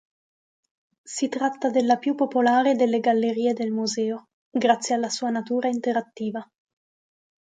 Si tratta della più popolare delle gallerie del museo, grazie alla sua natura interattiva.